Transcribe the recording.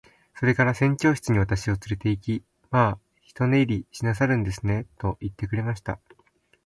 それから船長室に私をつれて行き、「まあ一寝入りしなさるんですね。」と言ってくれました。